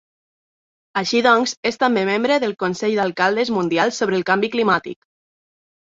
Així doncs es també membre del Consell d'Alcaldes Mundials sobre el Canvi Climàtic.